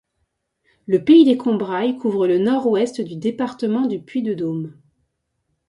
Le Pays des Combrailles couvre le nord-ouest du département du Puy-de-Dôme.